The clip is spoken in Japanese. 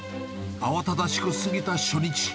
慌ただしく過ぎた初日。